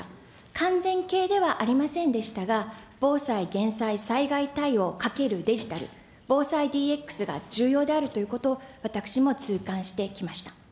完全形ではありませんでしたが、防災・減災、災害対応かけるデジタル、防災ＤＸが重要であるということ、私も痛感してきました。